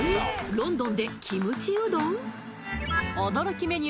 ロンドンでキムチうどん？